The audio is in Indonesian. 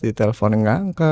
ditelepon gak angka